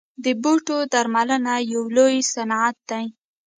د بوټو درملنه یو لوی صنعت دی